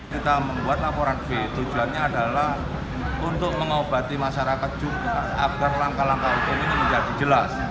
kita membuat laporan b tujuannya adalah untuk mengobati masyarakat juga agar langkah langkah hukum ini menjadi jelas